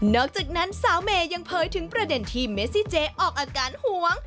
อกจากนั้นสาวเมย์ยังเผยถึงประเด็นที่เมซิเจออกอาการหวง